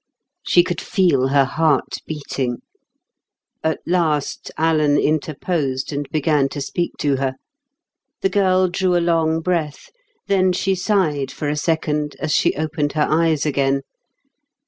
She could feel her heart beating. At last Alan interposed, and began to speak to her. The girl drew a long breath; then she sighed for a second, as she opened her eyes again.